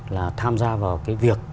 là tham gia vào cái việc